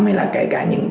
ngoài ra những cái sản phẩm